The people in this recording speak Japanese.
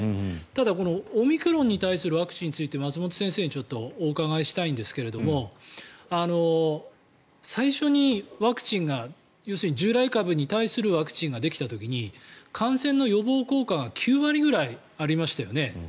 ただこのオミクロン株に対するワクチンについて松本先生にお伺いしたいんですが最初にワクチンが従来株に対するワクチンができた時に感染の予防効果が９割ぐらいありましたよね。